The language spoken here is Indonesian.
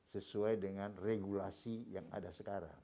sesuai dengan regulasi yang ada sekarang